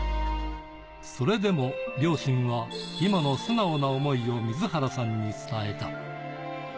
それでも両親は今の素直な思いを水原さんに伝えた。